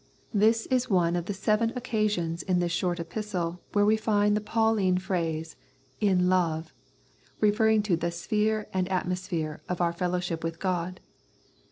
This is one of the seven 118 Strength and Indwelling occasions in this short Epistle where we find the Pauline phrase, " in love," referring to the sphere and atmosphere of our fellowship with God.